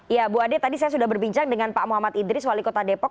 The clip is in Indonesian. ya bu ade tadi saya sudah berbincang dengan pak muhammad idris wali kota depok